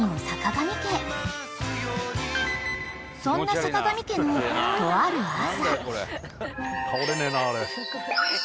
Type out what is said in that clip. ［そんなさかがみ家のとある朝］